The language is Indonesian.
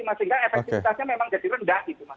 maksudnya efektifitasnya memang jadi rendah